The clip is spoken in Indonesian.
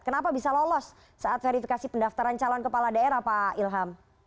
kenapa bisa lolos saat verifikasi pendaftaran calon kepala daerah pak ilham